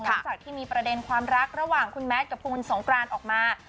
หลังจากที่มีประเด็นความรักระหว่างคุณแมทกับคุณสงกรานออกมา